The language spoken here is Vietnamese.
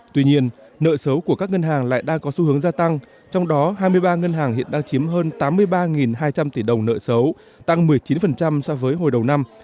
tuy nhiên nợ xấu của các ngân hàng lại đang có xu hướng gia tăng trong đó hai mươi ba ngân hàng hiện đang chiếm hơn tám mươi ba hai trăm linh tỷ đồng nợ xấu tăng một mươi chín so với hồi đầu năm